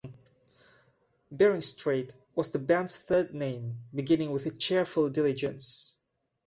Bering Strait was the band's third name, beginning with Cheerful Diligence.